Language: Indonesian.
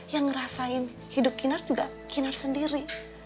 yang ngerasain hidup kiner juga kinar sendiri